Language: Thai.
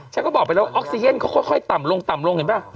ฉันก็บอกไปแล้วออกซีเยนค่อยต่ำลงลงเห็นป่ะ